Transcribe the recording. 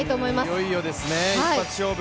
いよいよですね、一発勝負。